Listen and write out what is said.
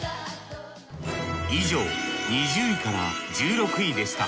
以上２０位から１６位でした。